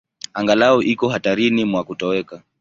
Angalau iko hatarini mwa kutoweka.